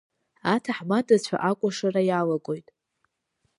Аҭаҳмадацәа акәашара иалагоит.